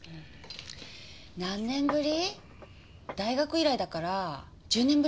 何年ぶり？大学以来だから１０年ぶりぐらい？